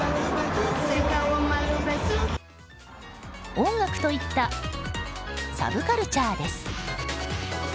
音楽といったサブカルチャーです。